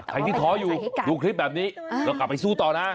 ใครที่ท้ออยู่ดูคลิปแบบนี้ก็กลับไปสู้ต่อนะ